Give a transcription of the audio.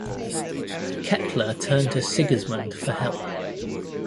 Kettler turned to Sigismund for help.